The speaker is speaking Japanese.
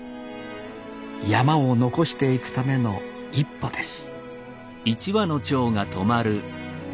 山を残していくための一歩です